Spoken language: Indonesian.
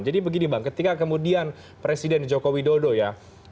jadi begini bang ketika kemudian presiden joko widodo ya